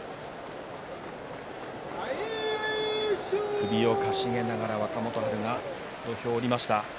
首をかしげながら若元春が土俵を下りました。